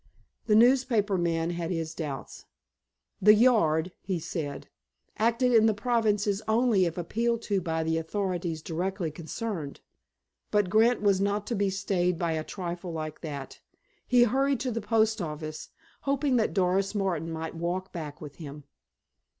The newspaper man had his doubts. The "Yard," he said, acted in the provinces only if appealed to by the authorities directly concerned. But Grant was not to be stayed by a trifle like that. He hurried to the post office, hoping that Doris Martin might walk back with him.